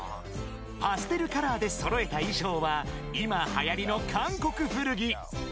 ［パステルカラーで揃えた衣装は今はやりの韓国古着］